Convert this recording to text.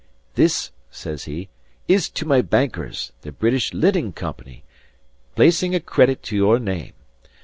"This," says he, "is to my bankers, the British Linen Company, placing a credit to your name.